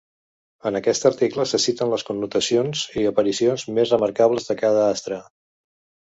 En aquest article se citen les connotacions i aparicions més remarcables de cada astre.